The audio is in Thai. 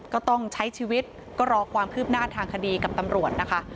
ก็ต้องใช้ชีวิตก็รอความคืบหน้าทางคดีกับตำรวจนะคะ